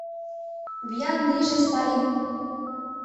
— Виян лийже Сталин!